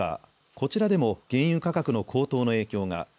こちらでも原油価格の高騰の影響が。